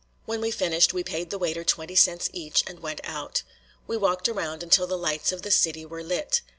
When we finished, we paid the waiter twenty cents each and went out. We walked around until the lights of the city were lit.